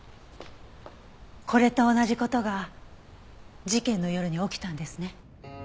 これと同じ事が事件の夜に起きたんですね？